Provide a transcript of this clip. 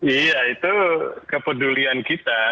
iya itu kepedulian kita